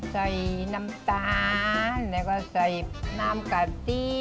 ใส่น้ำตาลแล้วก็ใส่น้ำกะตี้